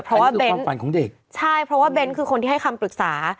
เพราะว่าเบ้นเป็นฝันของเด็กใช่เพราะว่าเบ้นคือคนที่ให้คำปรึกษา